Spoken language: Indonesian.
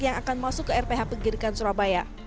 yang akan masuk ke rph pegirikan surabaya